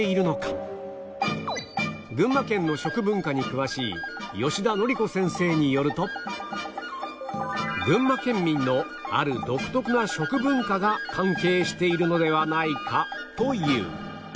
群馬県の食文化に詳しい吉田則子先生によると群馬県民のある独特な食文化が関係しているのではないかという